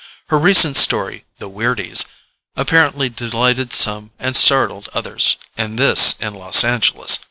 Her recent story, THE WEIRDIES, apparently delighted some and startled others and this in Los Angeles!